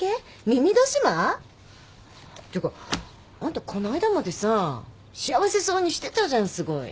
耳年増？っていうかあんたこないだまでさ幸せそうにしてたじゃんすごい。